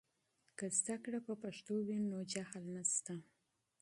که علم په پښتو وي، نو جهل نشته.